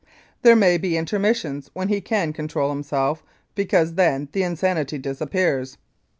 There may be intermissions when he can control himself, because then the insanity disappears.